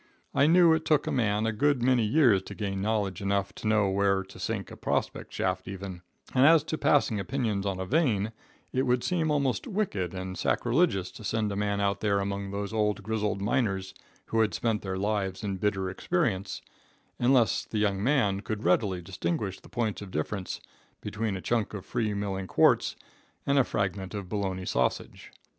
I knew it took a man a good many years to gain knowledge enough to know where to sink a prospect shaft even, and as to passing opinions on a vein, it would seem almost wicked and sacriligious to send a man out there among those old grizzly miners who had spent their lives in bitter experience, unless the young man could readily distinguish the points of difference between a chunk of free milling quartz and a fragment of bologna sausage.